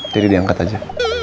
jadi diangkat aja